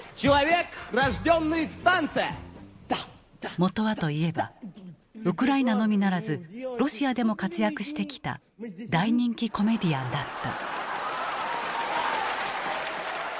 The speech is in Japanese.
もとはと言えばウクライナのみならずロシアでも活躍してきた大人気コメディアンだった。